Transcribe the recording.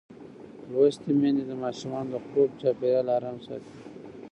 لوستې میندې د ماشومانو د خوب چاپېریال آرام ساتي.